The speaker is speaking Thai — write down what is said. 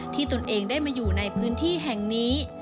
ตนเองได้มาอยู่ในพื้นที่แห่งนี้